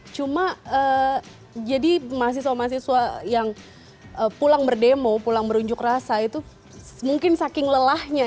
cuma jadi mahasiswa mahasiswa yang pulang berdemo pulang berunjuk rasa itu mungkin saking lelahnya